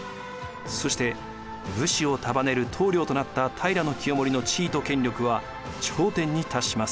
そして武士を束ねる棟梁となった平清盛の地位と権力は頂点に達します。